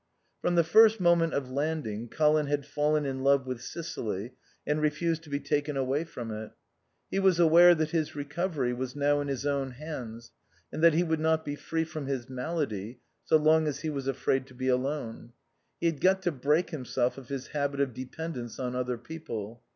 From the first moment of landing Colin had fallen in love with Sicily and refused to be taken away from it. He was aware that his recovery was now in his own hands, and that he would not be free from his malady so long as he was afraid to be alone. He had got to break himself of his habit of dependence on other people.